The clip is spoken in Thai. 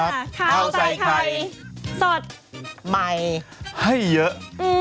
ข้าวใส่ไข่สดใหม่ให้เยอะ